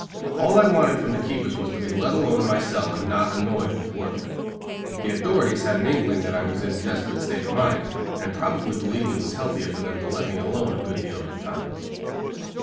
All I wanted from the keepers was to be let alone in my cell and not annoyed with work. The authorities had an inkling that I was in a desperate state of mind, and probably believed it was healthier for them to let me alone a good deal of the time.